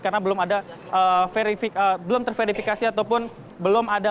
karena belum ada verifikasi belum terverifikasi ataupun belum ada